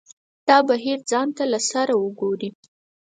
دا بهیر ځان ته له سره وګوري.